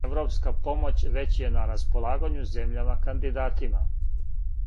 Европска помоћ већ је на располагању земљама кандидатима.